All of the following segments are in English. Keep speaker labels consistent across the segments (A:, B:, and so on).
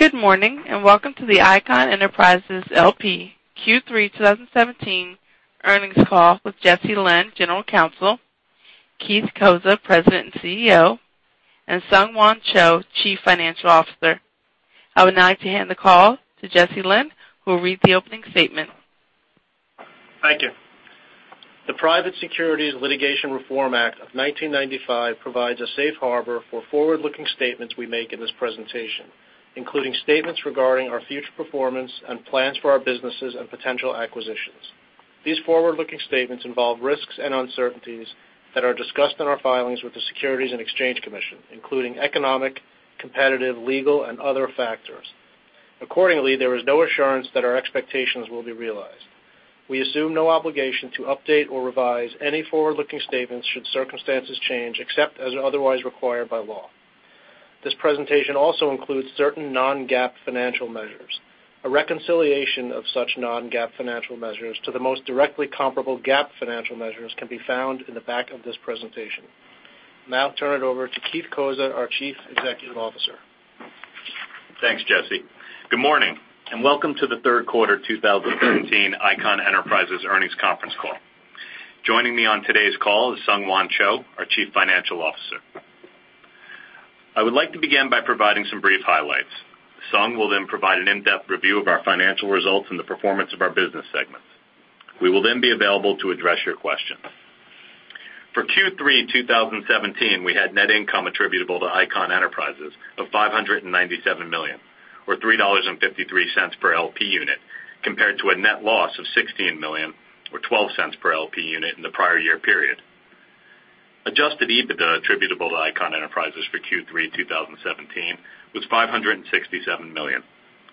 A: Good morning, welcome to the Icahn Enterprises LP Q3 2017 earnings call with Jesse Lynn, General Counsel, Keith Cozza, President and CEO, and SungHwan Cho, Chief Financial Officer. I would now like to hand the call to Jesse Lynn, who will read the opening statement.
B: Thank you. The Private Securities Litigation Reform Act of 1995 provides a safe harbor for forward-looking statements we make in this presentation, including statements regarding our future performance and plans for our businesses and potential acquisitions. These forward-looking statements involve risks and uncertainties that are discussed in our filings with the Securities and Exchange Commission, including economic, competitive, legal, and other factors. Accordingly, there is no assurance that our expectations will be realized. We assume no obligation to update or revise any forward-looking statements should circumstances change, except as otherwise required by law. This presentation also includes certain non-GAAP financial measures. A reconciliation of such non-GAAP financial measures to the most directly comparable GAAP financial measures can be found in the back of this presentation. Now I'll turn it over to Keith Cozza, our Chief Executive Officer.
C: Thanks, Jesse. Good morning, welcome to the third quarter 2017 Icahn Enterprises earnings conference call. Joining me on today's call is SungHwan Cho, our Chief Financial Officer. I would like to begin by providing some brief highlights. Sung will then provide an in-depth review of our financial results and the performance of our business segments. We will then be available to address your questions. For Q3 2017, we had net income attributable to Icahn Enterprises of $597 million, or $3.53 per LP unit, compared to a net loss of $16 million, or $0.12 per LP unit in the prior year period. Adjusted EBITDA attributable to Icahn Enterprises for Q3 2017 was $567 million,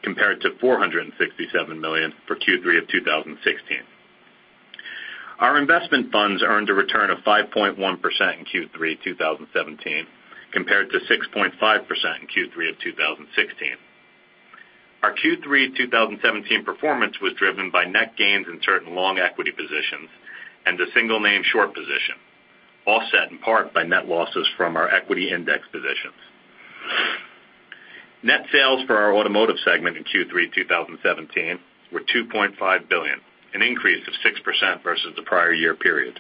C: compared to $467 million for Q3 of 2016. Our investment funds earned a return of 5.1% in Q3 2017, compared to 6.5% in Q3 of 2016. Our Q3 2017 performance was driven by net gains in certain long equity positions and a single name short position, offset in part by net losses from our equity index positions. Net sales for our Automotive segment in Q3 2017 were $2.5 billion, an increase of 6% versus the prior year period.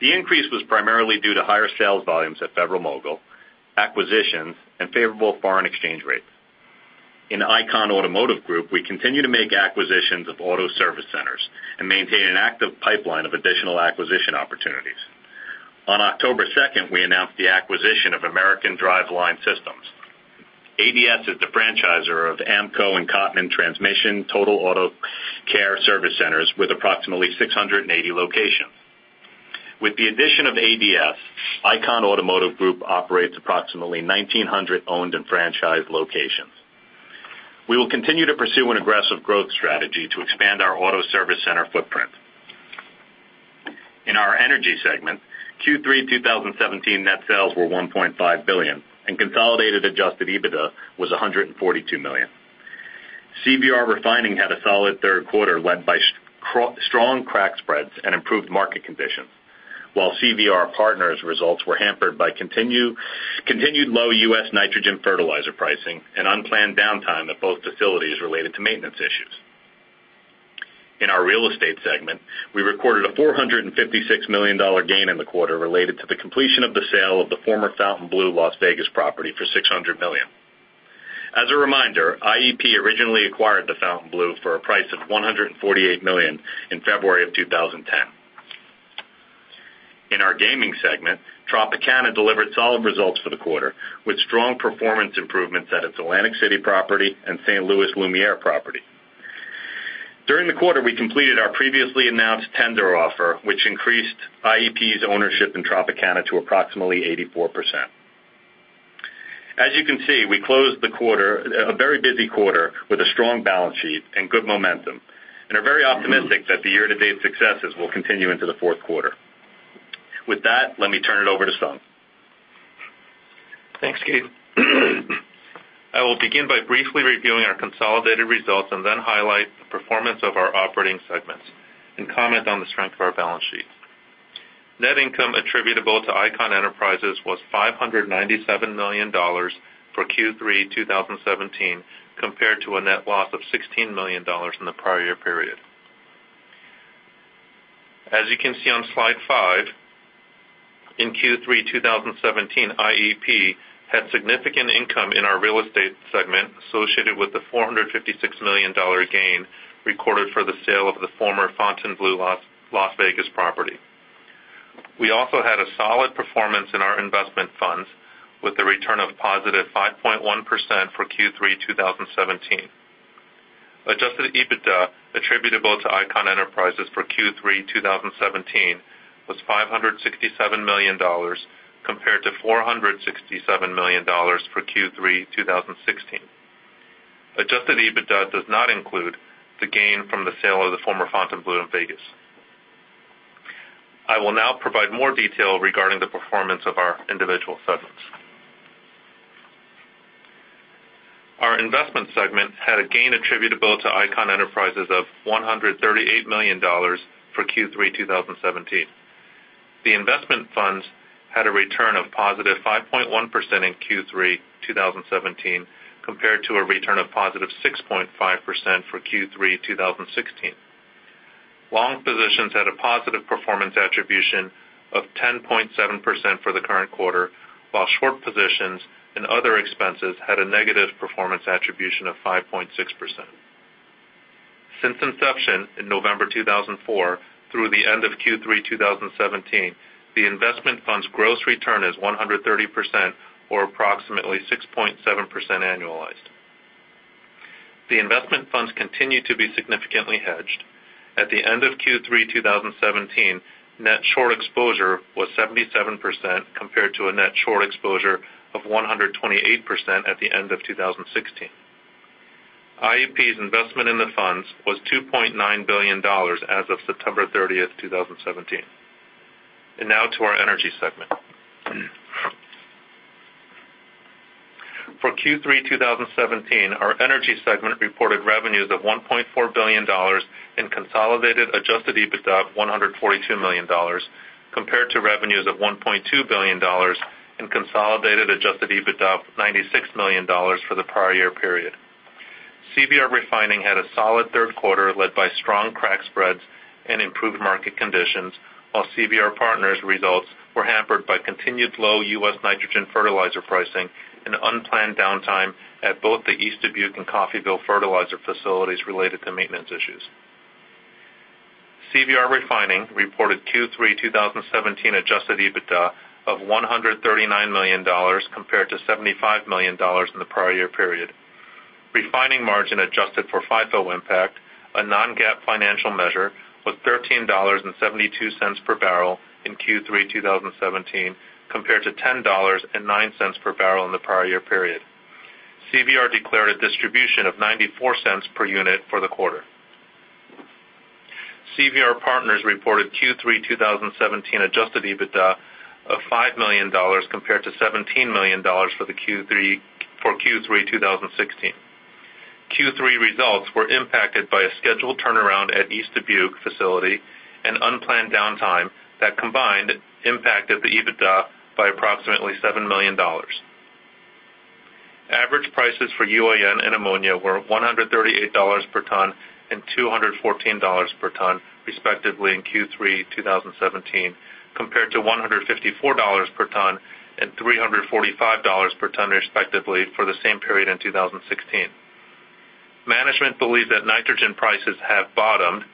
C: The increase was primarily due to higher sales volumes at Federal-Mogul, acquisitions, and favorable foreign exchange rates. In Icahn Automotive Group, we continue to make acquisitions of auto service centers and maintain an active pipeline of additional acquisition opportunities. On October 2nd, we announced the acquisition of American Driveline Systems. ADS is the franchisor of AAMCO and Cottman Transmission Total Auto Care service centers with approximately 680 locations. With the addition of ADS, Icahn Automotive Group operates approximately 1,900 owned and franchised locations. We will continue to pursue an aggressive growth strategy to expand our auto service center footprint. In our Energy Segment, Q3 2017 net sales were $1.5 billion, and consolidated adjusted EBITDA was $142 million. CVR Refining had a solid third quarter led by strong crack spreads and improved market conditions. While CVR Partners results were hampered by continued low U.S. nitrogen fertilizer pricing and unplanned downtime at both facilities related to maintenance issues. In our Real Estate Segment, we recorded a $456 million gain in the quarter related to the completion of the sale of the former Fontainebleau Las Vegas property for $600 million. As a reminder, IEP originally acquired the Fontainebleau for a price of $148 million in February of 2010. In our Gaming Segment, Tropicana delivered solid results for the quarter, with strong performance improvements at its Atlantic City property and St. Louis Lumière property. During the quarter, we completed our previously announced tender offer, which increased IEP's ownership in Tropicana to approximately 84%. As you can see, we closed a very busy quarter with a strong balance sheet and good momentum, and are very optimistic that the year-to-date successes will continue into the fourth quarter. With that, let me turn it over to Sung.
D: Thanks, Keith. I will begin by briefly reviewing our consolidated results and then highlight the performance of our Operating Segments and comment on the strength of our balance sheets. Net income attributable to Icahn Enterprises was $597 million for Q3 2017, compared to a net loss of $16 million in the prior year period. As you can see on slide five, in Q3 2017, IEP had significant income in our Real Estate Segment associated with the $456 million gain recorded for the sale of the former Fontainebleau Las Vegas property. We also had a solid performance in our investment funds with a return of positive 5.1% for Q3 2017. Adjusted EBITDA attributable to Icahn Enterprises for Q3 2017 was $567 million, compared to $467 million for Q3 2016. Adjusted EBITDA does not include the gain from the sale of the former Fontainebleau in Vegas. I will now provide more detail regarding the performance of our individual segments. Our Investment Segment had a gain attributable to Icahn Enterprises of $138 million for Q3 2017. The investment funds had a return of positive 5.1% in Q3 2017, compared to a return of positive 6.5% for Q3 2016. Long positions had a positive performance attribution of 10.7% for the current quarter, while short positions and other expenses had a negative performance attribution of 5.6%. Since inception in November 2004 through the end of Q3 2017, the investment fund's gross return is 130%, or approximately 6.7% annualized. The investment funds continue to be significantly hedged. At the end of Q3 2017, net short exposure was 77%, compared to a net short exposure of 128% at the end of 2016. IEP's investment in the funds was $2.9 billion as of September 30, 2017. Now to our Energy Segment. For Q3 2017, our energy segment reported revenues of $1.4 billion in consolidated adjusted EBITDA of $142 million, compared to revenues of $1.2 billion and consolidated adjusted EBITDA of $96 million for the prior year period. CVR Refining had a solid third quarter led by strong crack spreads and improved market conditions, while CVR Partners results were hampered by continued low U.S. nitrogen fertilizer pricing and unplanned downtime at both the East Dubuque and Coffeyville fertilizer facilities related to maintenance issues. CVR Refining reported Q3 2017 adjusted EBITDA of $139 million compared to $75 million in the prior year period. Refining margin adjusted for FIFO impact, a non-GAAP financial measure, was $13.72 per barrel in Q3 2017 compared to $10.09 per barrel in the prior year period. CVR declared a distribution of $0.94 per unit for the quarter. CVR Partners reported Q3 2017 adjusted EBITDA of $5 million compared to $17 million for Q3 2016. Q3 results were impacted by a scheduled turnaround at East Dubuque facility and unplanned downtime that combined impacted the EBITDA by approximately $7 million. Average prices for UAN and ammonia were $138 per ton and $214 per ton respectively in Q3 2017, compared to $154 per ton and $345 per ton respectively for the same period in 2016. Management believes that nitrogen prices have bottomed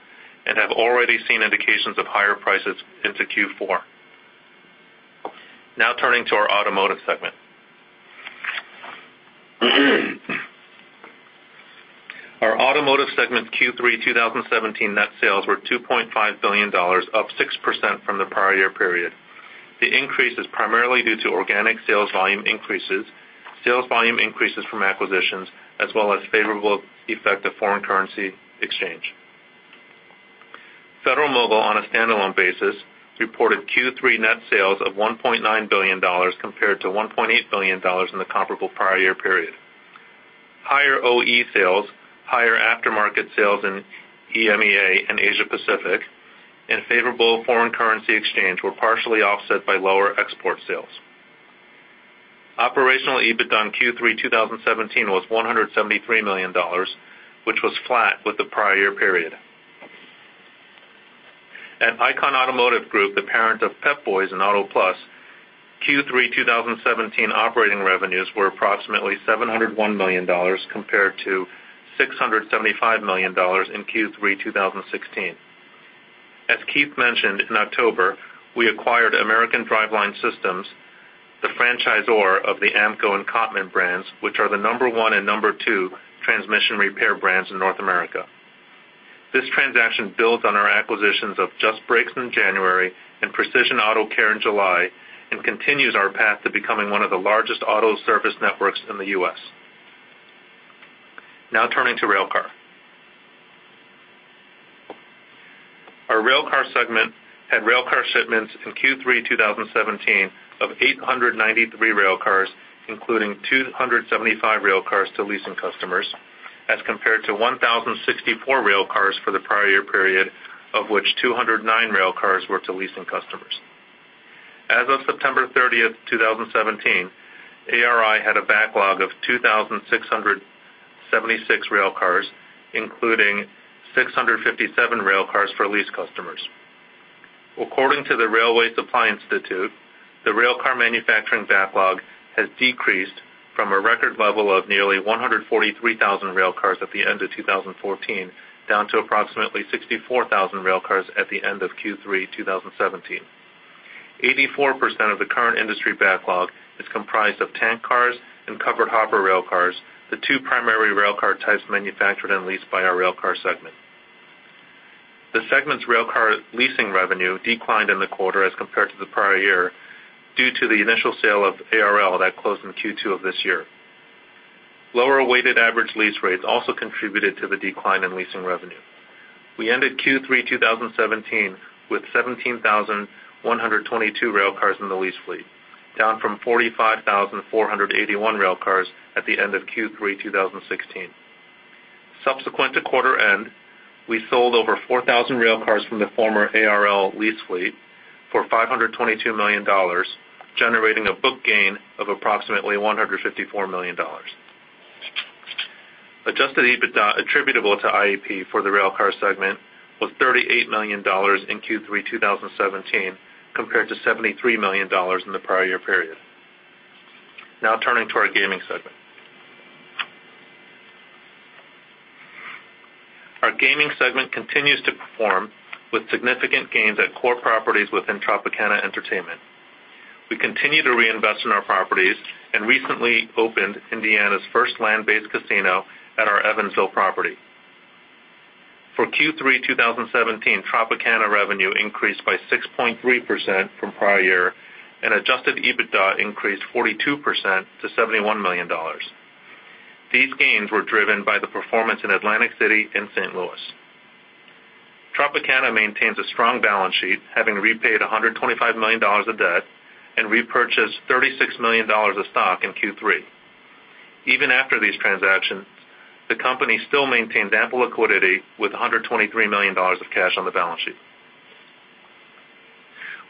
D: and have already seen indications of higher prices into Q4. Now turning to our automotive segment. Our automotive segment Q3 2017 net sales were $2.5 billion, up 6% from the prior year period. The increase is primarily due to organic sales volume increases, sales volume increases from acquisitions, as well as favorable effect of foreign currency exchange. Federal-Mogul, on a standalone basis, reported Q3 net sales of $1.9 billion compared to $1.8 billion in the comparable prior year period. Higher OE sales, higher aftermarket sales in EMEA and Asia Pacific, and favorable foreign currency exchange were partially offset by lower export sales. Operational EBITDA in Q3 2017 was $173 million, which was flat with the prior year period. At Icahn Automotive Group, the parent of Pep Boys and Auto Plus, Q3 2017 operating revenues were approximately $701 million, compared to $675 million in Q3 2016. As Keith mentioned, in October, we acquired American Driveline Systems, the franchisor of the AAMCO and Cottman brands, which are the number 1 and number 2 transmission repair brands in North America. This transaction builds on our acquisitions of Just Brakes in January and Precision Auto Care in July and continues our path to becoming one of the largest auto service networks in the U.S. Now turning to railcar. Our railcar segment had railcar shipments in Q3 2017 of 893 railcars, including 275 railcars to leasing customers, as compared to 1,064 railcars for the prior year period, of which 209 railcars were to leasing customers. As of September 30, 2017, ARI had a backlog of 2,676 railcars, including 657 railcars for lease customers. According to the Railway Supply Institute, the railcar manufacturing backlog has decreased from a record level of nearly 143,000 railcars at the end of 2014, down to approximately 64,000 railcars at the end of Q3 2017. 84% of the current industry backlog is comprised of tank cars and covered hopper railcars, the two primary railcar types manufactured and leased by our railcar segment. The segment's railcar leasing revenue declined in the quarter as compared to the prior year due to the initial sale of ARL that closed in Q2 of this year. Lower weighted average lease rates also contributed to the decline in leasing revenue. We ended Q3 2017 with 17,122 railcars in the lease fleet, down from 45,481 railcars at the end of Q3 2016. Subsequent to quarter end, we sold over 4,000 railcars from the former ARL lease fleet for $522 million, generating a book gain of approximately $154 million. Adjusted EBITDA attributable to IEP for the railcar segment was $38 million in Q3 2017, compared to $73 million in the prior year period. Now turning to our gaming segment. Our gaming segment continues to perform with significant gains at core properties within Tropicana Entertainment. We continue to reinvest in our properties and recently opened Indiana's first land-based casino at our Evansville property. For Q3 2017, Tropicana revenue increased by 6.3% from prior year, and adjusted EBITDA increased 42% to $71 million. These gains were driven by the performance in Atlantic City and St. Louis. Tropicana maintains a strong balance sheet, having repaid $125 million of debt and repurchased $36 million of stock in Q3. Even after these transactions, the company still maintained ample liquidity with $123 million of cash on the balance sheet.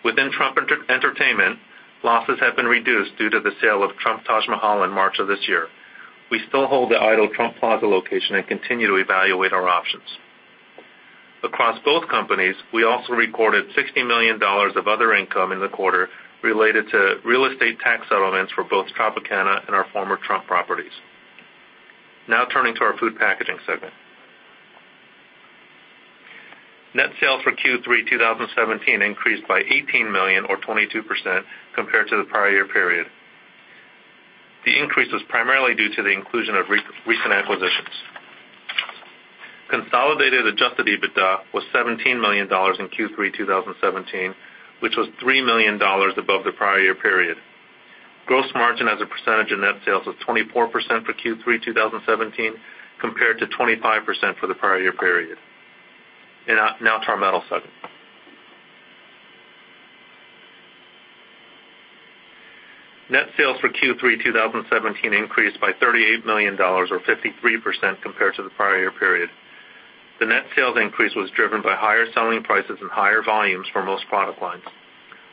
D: Within Trump Entertainment, losses have been reduced due to the sale of Trump Taj Mahal in March of this year. We still hold the idle Trump Plaza location and continue to evaluate our options. Across both companies, we also recorded $60 million of other income in the quarter related to real estate tax settlements for both Tropicana and our former Trump properties. Now turning to our food packaging segment. Net sales for Q3 2017 increased by $18 million or 22% compared to the prior year period. The increase was primarily due to the inclusion of recent acquisitions. Consolidated adjusted EBITDA was $17 million in Q3 2017, which was $3 million above the prior year period. Gross margin as a percentage of net sales was 24% for Q3 2017, compared to 25% for the prior year period. Now to our metal segment. Net sales for Q3 2017 increased by $38 million or 53% compared to the prior year period. The net sales increase was driven by higher selling prices and higher volumes for most product lines.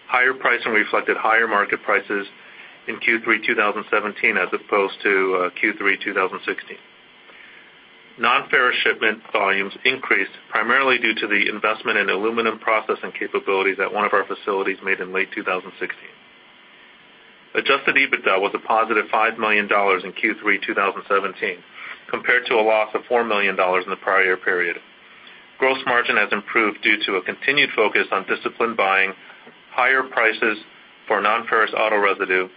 D: Higher pricing reflected higher market prices in Q3 2017 as opposed to Q3 2016. Non-ferrous shipment volumes increased primarily due to the investment in aluminum processing capabilities at one of our facilities made in late 2016. Adjusted EBITDA was a positive $5 million in Q3 2017, compared to a loss of $4 million in the prior year period. Gross margin has improved due to a continued focus on disciplined buying, higher prices for non-ferrous auto residue,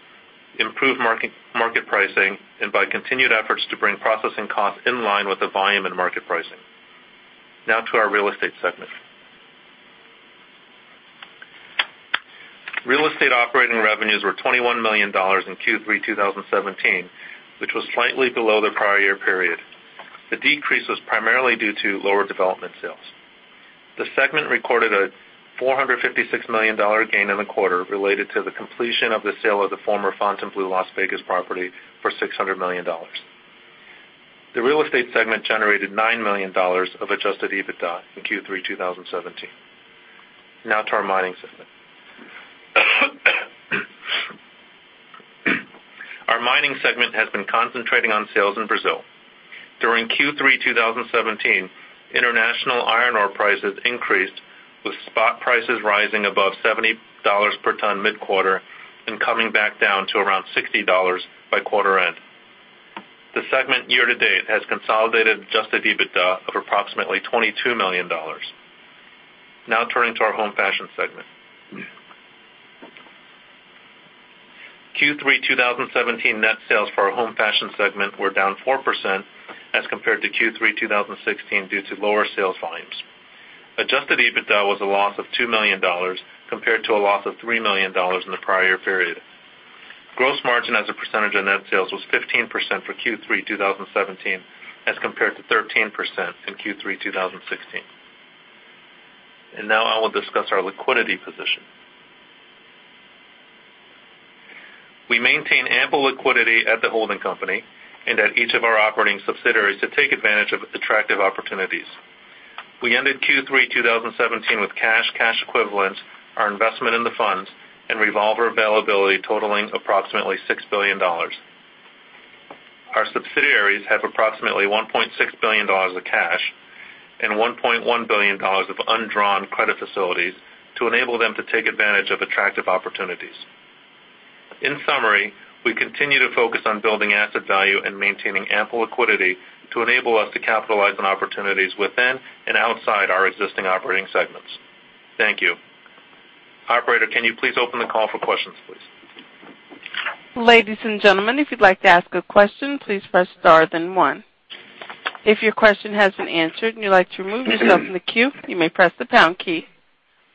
D: improved market pricing, and by continued efforts to bring processing costs in line with the volume and market pricing. Now to our real estate segment. Real estate operating revenues were $21 million in Q3 2017, which was slightly below the prior year period. The decrease was primarily due to lower development sales. The segment recorded a $456 million gain in the quarter related to the completion of the sale of the former Fontainebleau Las Vegas property for $600 million. The real estate segment generated $9 million of adjusted EBITDA in Q3 2017. To our mining segment. Our mining segment has been concentrating on sales in Brazil. During Q3 2017, international iron ore prices increased, with spot prices rising above $70 per ton mid-quarter and coming back down to around $60 by quarter end. The segment year to date has consolidated adjusted EBITDA of approximately $22 million. Turning to our home fashion segment. Q3 2017 net sales for our home fashion segment were down 4% as compared to Q3 2016 due to lower sales volumes. Adjusted EBITDA was a loss of $2 million compared to a loss of $3 million in the prior year period. Gross margin as a percentage of net sales was 15% for Q3 2017 as compared to 13% in Q3 2016. I will discuss our liquidity position. We maintain ample liquidity at the holding company and at each of our operating subsidiaries to take advantage of attractive opportunities. We ended Q3 2017 with cash equivalents, our investment in the funds, and revolver availability totaling approximately $6 billion. Our subsidiaries have approximately $1.6 billion of cash and $1.1 billion of undrawn credit facilities to enable them to take advantage of attractive opportunities. In summary, we continue to focus on building asset value and maintaining ample liquidity to enable us to capitalize on opportunities within and outside our existing operating segments. Thank you. Operator, can you please open the call for questions, please?
A: Ladies and gentlemen, if you'd like to ask a question, please press star then one. If your question has been answered and you'd like to remove yourself from the queue, you may press the pound key.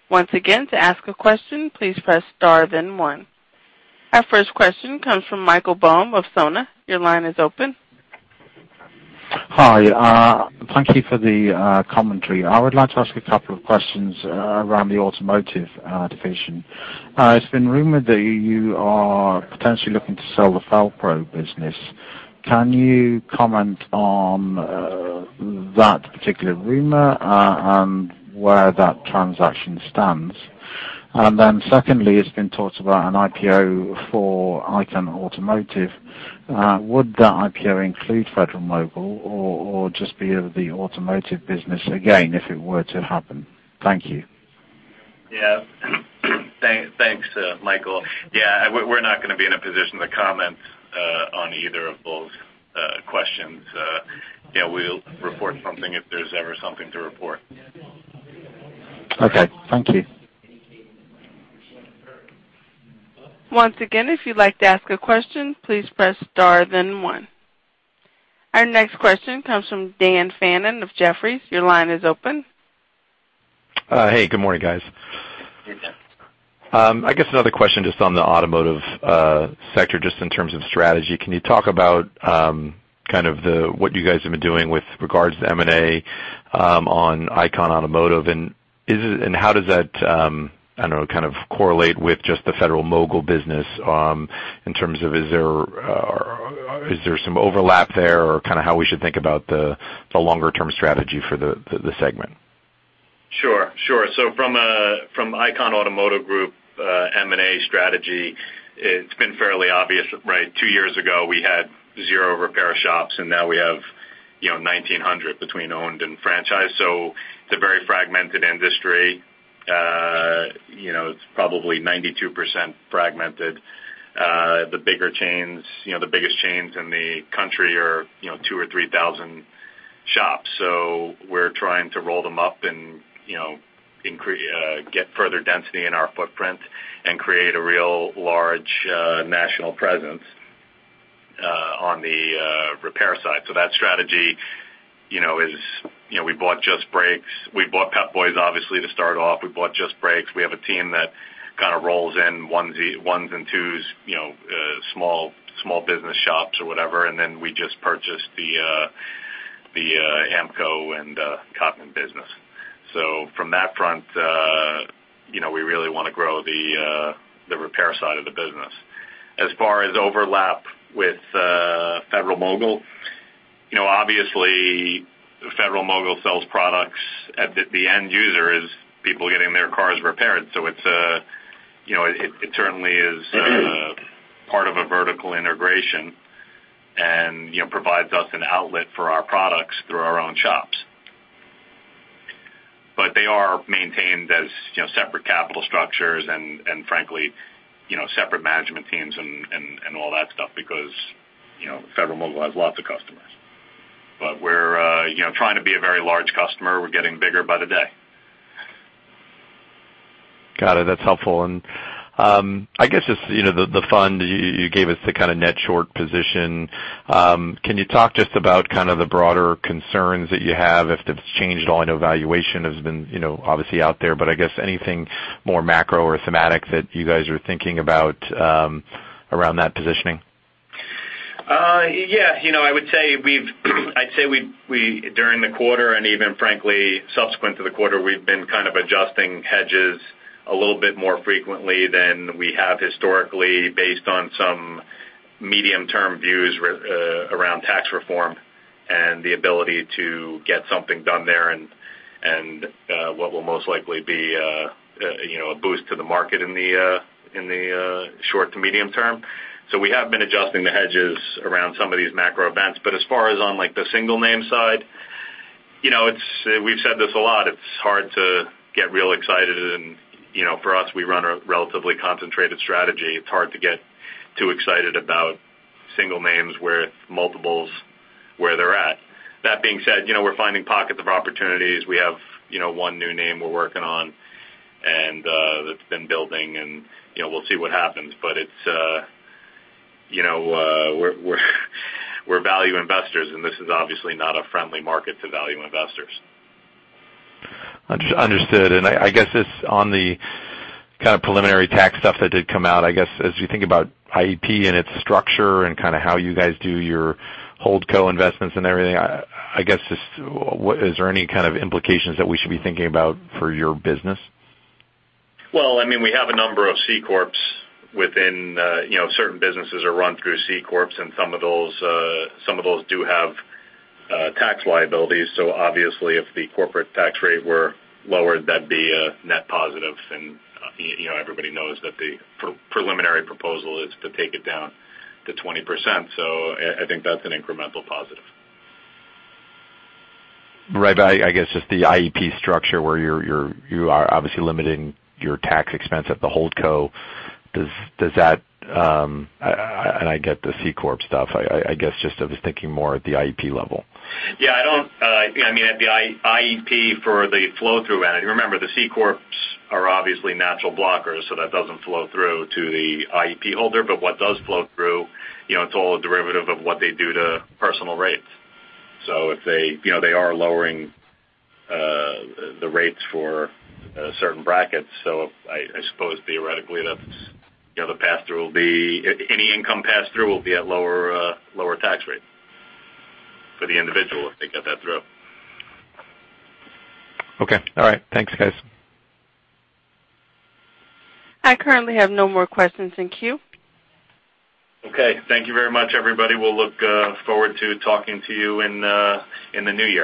A: Once again, to ask a question, please press star then one. Our first question comes from Michael Bohm of Sona. Your line is open.
E: Hi. Thank you for the commentary. I would like to ask a couple of questions around the automotive division. It's been rumored that you are potentially looking to sell the Fel-Pro business. Can you comment on that particular rumor, and where that transaction stands? Secondly, it's been talked about an IPO for Icahn Automotive. Would that IPO include Federal-Mogul, or just be the automotive business again, if it were to happen? Thank you.
C: Thanks, Michael. We're not going to be in a position to comment on either of those questions. We'll report something if there's ever something to report.
E: Thank you.
A: Once again, if you'd like to ask a question, please press star then one. Our next question comes from Daniel Fannon of Jefferies. Your line is open.
F: Good morning, guys.
C: Hey, Dan.
F: I guess another question just on the automotive sector, just in terms of strategy. Can you talk about what you guys have been doing with regards to M&A on Icahn Automotive, and how does that correlate with just the Federal-Mogul business in terms of is there some overlap there, or how we should think about the longer-term strategy for the segment?
C: Sure. From Icahn Automotive Group M&A strategy, it's been fairly obvious, right? Two years ago, we had zero repair shops, and now we have 1,900 between owned and franchise. It's a very fragmented industry. It's probably 92% fragmented. The biggest chains in the country are 2,000 or 3,000 shops. We're trying to roll them up and get further density in our footprint and create a real large national presence on the repair side. That strategy is we bought Just Brakes, we bought Pep Boys obviously to start off, we bought Just Brakes. We have a team that kind of rolls in ones and twos, small business shops or whatever, and then we just purchased the AAMCO and Cottman business. From that front, we really want to grow the repair side of the business. Sure. As far as overlap with Federal-Mogul, obviously Federal-Mogul sells products at the end users, people getting their cars repaired. They are maintained as separate capital structures and frankly, separate management teams and all that stuff because Federal-Mogul has lots of customers. We're trying to be a very large customer. We're getting bigger by the day.
F: Got it. That's helpful. I guess just the fund you gave us the kind of net short position. Can you talk just about kind of the broader concerns that you have if that's changed at all? I know valuation has been obviously out there, but I guess anything more macro or thematic that you guys are thinking about around that positioning?
C: Yeah. I'd say during the quarter and even frankly subsequent to the quarter, we've been kind of adjusting hedges a little bit more frequently than we have historically based on some medium-term views around tax reform and the ability to get something done there and what will most likely be a boost to the market in the short to medium term. We have been adjusting the hedges around some of these macro events. As far as on the single name side, we've said this a lot, it's hard to get real excited and for us, we run a relatively concentrated strategy. It's hard to get too excited about single names with multiples where they're at. That being said, we're finding pockets of opportunities. We have one new name we're working on, and that's been building and we'll see what happens. We're value investors, and this is obviously not a friendly market to value investors.
F: Understood. I guess just on the kind of preliminary tax stuff that did come out, I guess, as you think about IEP and its structure and kind of how you guys do your holdco investments and everything, I guess just is there any kind of implications that we should be thinking about for your business?
C: Well, we have a number of C corps. Certain businesses are run through C corps, and some of those do have tax liabilities. Obviously if the corporate tax rate were lowered, that'd be a net positive, and everybody knows that the preliminary proposal is to take it down to 20%. I think that's an incremental positive.
F: Right. I guess just the IEP structure where you are obviously limiting your tax expense at the holdco. I get the C corp stuff, I guess just I was thinking more at the IEP level.
C: Yeah. At the IEP for the flow-through entity, remember, the C corps are obviously natural blockers, so that doesn't flow through to the IEP holder. What does flow through, it's all a derivative of what they do to personal rates. They are lowering the rates for certain brackets. I suppose theoretically the pass-through will be any income pass-through will be at lower tax rate for the individual if they get that through.
F: Okay. All right. Thanks, guys.
A: I currently have no more questions in queue.
C: Okay. Thank you very much, everybody. We'll look forward to talking to you in the new year.